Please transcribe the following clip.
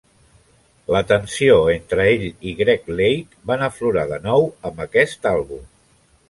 La tensió entre ell i Greg Lake van aflorar de nou amb aquest àlbum.